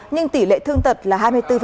nhưng tỷ lệ thương tật là hai mươi bốn